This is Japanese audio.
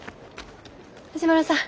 藤丸さん